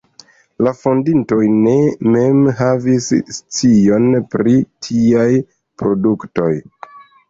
La fondintoj ne mem havis scion pri tiaj produktoj.